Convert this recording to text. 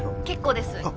結構です。